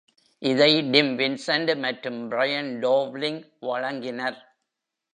இதை Tim Vincent மற்றும் Brian Dowling வழங்கினர்.